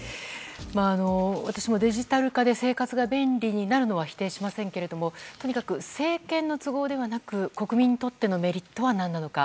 私もデジタル化で生活が便利になるのは否定しませんがとにかく政権の都合ではなく国民のメリットは何なのか。